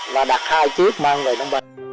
và đặt hai chiếc mang về nông bên